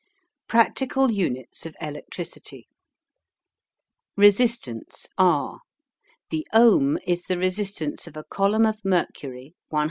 PRACTICAL UNITS OF ELECTRICITY. RESISTANCE R. The Ohm is the resistance of a column of mercury 106.